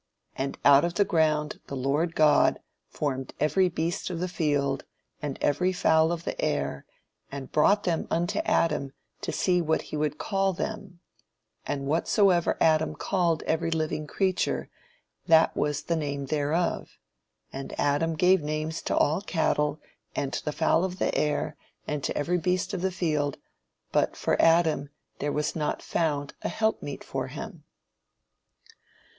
"And out of the ground the Lord God formed every beast of the field, and every fowl of the air; and brought them unto Adam to see what he would call them: and whatsoever Adam called every living creature, that was the name thereof. "And Adam gave names to all cattle, and to the fowl of the air, and to every beast of the field; but for Adam there was not found an helpmeet for him."